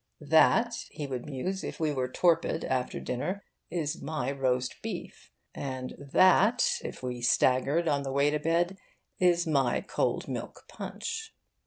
'That,' he would muse if we were torpid after dinner, 'is my roast beef,' and 'That,' if we staggered on the way to bed, 'is my cold milk punch.